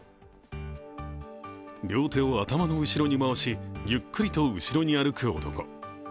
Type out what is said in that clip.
両手を頭の後ろに回しゆっくりと後ろに歩く男。